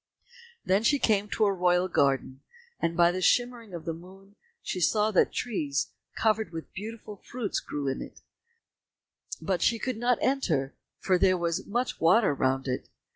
Then she came to a royal garden, and by the shimmering of the moon she saw that trees covered with beautiful fruits grew in it, but she could not enter, for there was much water round about it.